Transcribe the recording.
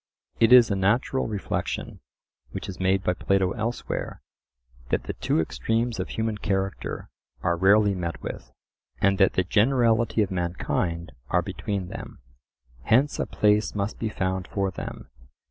It is a natural reflection which is made by Plato elsewhere, that the two extremes of human character are rarely met with, and that the generality of mankind are between them. Hence a place must be found for them.